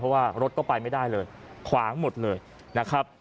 เพราะว่ารถก็ไปไม่ได้เลยขวางหมดเลยนะครับ